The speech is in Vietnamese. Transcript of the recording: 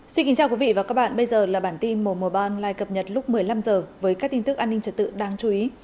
xin kính chào quý vị và các bạn bây giờ là bản tin mùa mùa ban lại cập nhật lúc một mươi năm h với các tin tức an ninh trật tự đáng chú ý